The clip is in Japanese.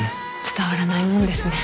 伝わらないもんですね。